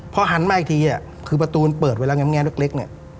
พอหันมาอีกทีคือประตูเปิดไว้แล้วแง่มเล็กเนี่ย